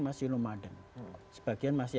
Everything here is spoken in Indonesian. masih lumaden sebagian masih